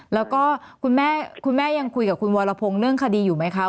แล้วก็คุณแม่คุณแม่ยังคุยกับคุณวรพงศ์เรื่องคดีอยู่ไหมคะ